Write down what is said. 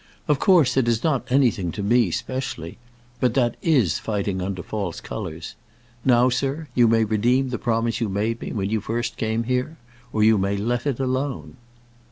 Of course, it is not anything to me specially; but that is fighting under false colours. Now, sir, you may redeem the promise you made me when you first came here, or you may let it alone."